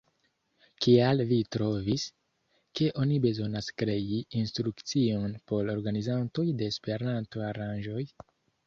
Kial vi trovis, ke oni bezonas krei instrukcion por organizantoj de Esperanto-aranĝoj?